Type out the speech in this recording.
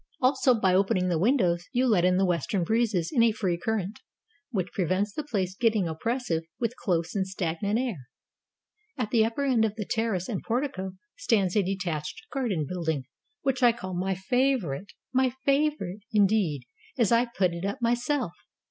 Also by opening the windows you let in the west ern breezes in a free current, which prevents the place getting oppressive with close and stagnant air. At the upper end of the terrace and portico stands a detached garden building, which I call my favorite; my favorite, indeed, as I put it up myself.